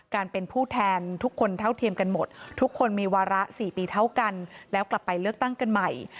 การเป็นผู้แทนทุกคนเท่าเทียมกันหมดทุกคนมีวาระ๔ปีเท่ากันแล้วกลับไปเลือกตั้งกันใหม่